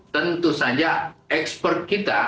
tentu saja expert kita akan berhasil